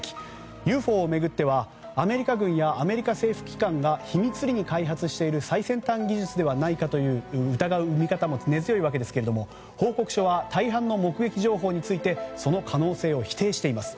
ＵＦＯを巡ってはアメリカ軍やアメリカ政府機関が秘密裏に開発している最先端技術ではないかと疑う見方も根強いわけですが報告書は大半の目撃情報についてその可能性を否定しています。